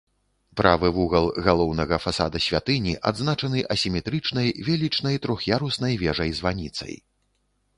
Правы вугал галоўнага фасада святыні адзначаны асіметрычнай велічнай трох'яруснай вежай-званіцай.